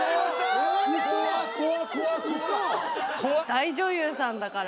大女優さんだから。